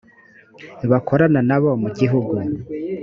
bakorana na bo mu gihugu